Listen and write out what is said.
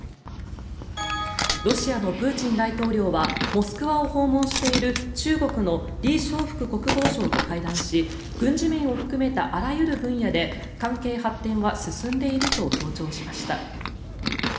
ロシアのプーチン大統領はモスクワを訪問している中国のリ・ショウフク国防相と会談し軍事面を含めたあらゆる分野で関係発展は進んでいると強調しました。